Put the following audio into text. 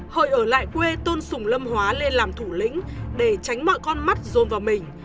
hợi ở lại quê tôn sùng lâm hóa lên làm thủ lĩnh để tránh mọi con mắt dồn vào mình